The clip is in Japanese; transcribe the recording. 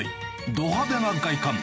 ど派手な外観。